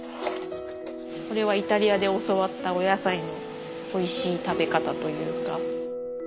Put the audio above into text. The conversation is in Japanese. これはイタリアで教わったお野菜のおいしい食べ方というか。